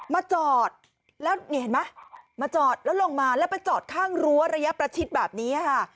มาจอดแล้วนี่เห็นไหมมาจอดแล้วลงมาแล้วไปจอดข้างรั้วระยะประชิดแบบนี้ค่ะ